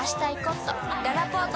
ららぽーと